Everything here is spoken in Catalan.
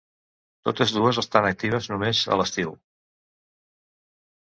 Totes dues estan actives només a l'estiu.